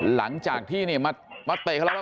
หลังจากที่นี่มาเตะแล้ว